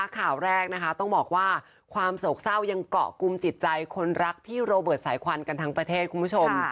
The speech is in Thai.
ข่าวแรกนะคะต้องบอกว่าความโศกเศร้ายังเกาะกลุ่มจิตใจคนรักพี่โรเบิร์ตสายควันกันทั้งประเทศคุณผู้ชม